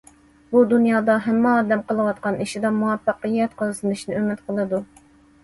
بۇ دۇنيادا ھەممە ئادەم قىلىۋاتقان ئىشىدا مۇۋەپپەقىيەت قازىنىشنى ئۈمىد قىلىدۇ.